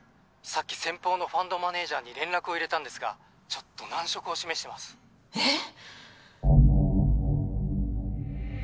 さっき先方の☎ファンドマネージャーに連絡を入れたんですが☎ちょっと難色を示してますえっ！？